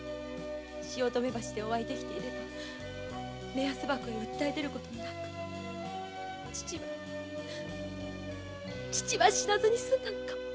汐留橋でお会いできていれば目安箱へ訴え出る事もなく父は死なずにすんだのかも。